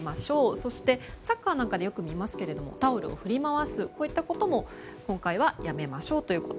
そして、サッカーなどでよく見ますが、タオルを振り回すこういったことも今回はやめましょうということ。